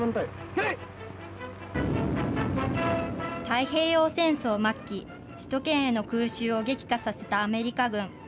太平洋戦争末期、首都圏への空襲を激化させたアメリカ軍。